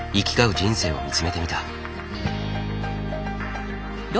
人生を見つめてみた。